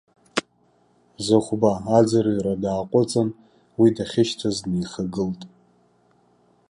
Зыхәба аӡырҩра дааҟәыҵын, уи дахьышьҭаз днеихагылт.